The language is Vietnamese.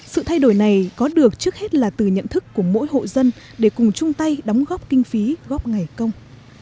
sự thay đổi này có được trước hết là từ nhận thức của mỗi hộ dân để cùng chung tay đóng góp kinh phí góp ngày công